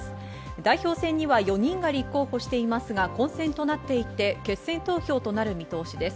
代表選には４人が立候補していますが、混戦となっていて、決選投票となる見通しです。